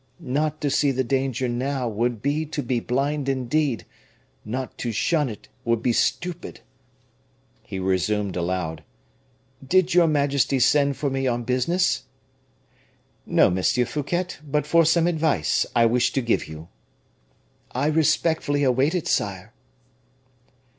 Not to see the danger now would be to be blind indeed; not to shun it would be stupid." He resumed aloud, "Did your majesty send for me on business?" "No, Monsieur Fouquet, but for some advice I wish to give you." "I respectfully await it, sire."